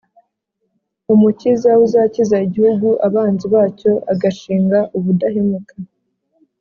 umukiza uzakiza igihugu abanzi bacyo agashinga ubudahemuka